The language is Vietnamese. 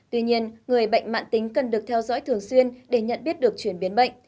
tuy nhiên người bệnh mạng tính cần được theo dõi thường xuyên để nhận biết được chuyển biến bệnh